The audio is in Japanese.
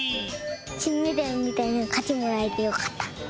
きんメダルみたいなかちもらえてよかった。